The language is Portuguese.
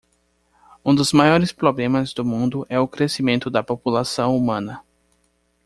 Um dos maiores problemas do mundo é o crescimento da população humana.